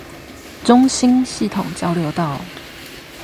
中興系統交流道